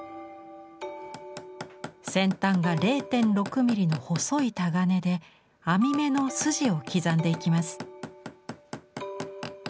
先端が０．６ミリの細いタガネで網目の筋を刻んでいきます。